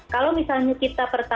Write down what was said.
kalau misalnya kita perhatikan